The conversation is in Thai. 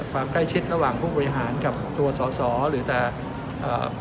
ความใกล้ชิดระหว่างผู้บริหารกับตัวสอสอหรือแต่เอ่อ